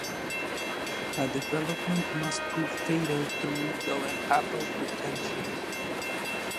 A development must prove fatal to regal and papal pretensions.